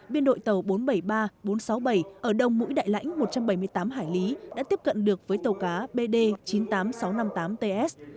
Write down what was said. biên đội tàu bốn trăm bảy mươi ba bốn trăm sáu mươi bảy ở đông mũi đại lãnh một trăm bảy mươi tám hải lý đã tiếp cận được với tàu cá bd chín mươi tám nghìn sáu trăm năm mươi tám ts